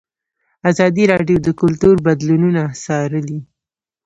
ازادي راډیو د کلتور بدلونونه څارلي.